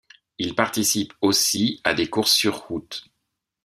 Il participe aussi à des courses sur route.